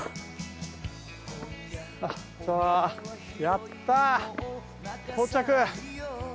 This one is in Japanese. やった！到着！